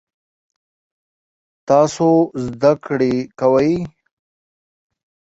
تاسو زده کړی کوئ؟